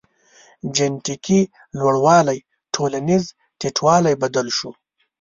جنټیکي لوړوالی ټولنیز ټیټوالی بدل شو.